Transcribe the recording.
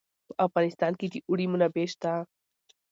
په افغانستان کې د اوړي منابع شته.